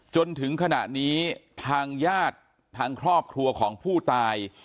จนถึงขณะนี้ทางญาติทางครอบครัวของผู้ตาย